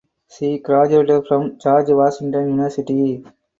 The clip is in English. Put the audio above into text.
She graduated from George Washington University.